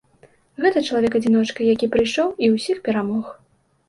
Гэта чалавек-адзіночка, які прыйшоў і ўсіх перамог.